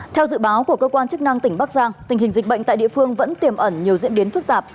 theo dự báo của cơ quan chức năng tỉnh bắc giang tình hình dịch bệnh tại địa phương vẫn tiềm ẩn nhiều diễn biến phức tạp